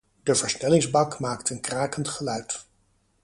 De versnellingsbak maakt een krakend geluid.